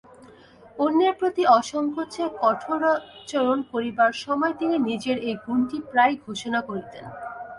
অন্যের প্রতি অসংকোচে কঠোরাচরণ করিবার সময় তিনি নিজের এই গুণটি প্রায়ই ঘোষণা করিতেন।